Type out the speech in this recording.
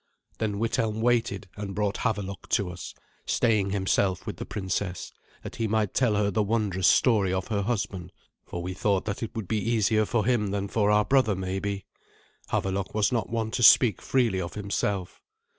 Then Withelm waited and brought Havelok to us, staying himself with the princess, that he might tell her the wondrous story of her husband; for we thought that it would be easier for him than for our brother maybe. Havelok was not one to speak freely of himself.